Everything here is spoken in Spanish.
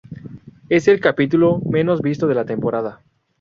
Es el capítulo menos visto de la temporada.